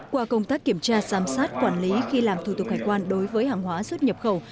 qua công tác kiểm tra giám sát quản lý khi làm thủ tục hải quan đối với hàng hóa xuất nhập khẩu